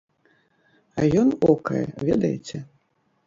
А ён окае, ведаеце.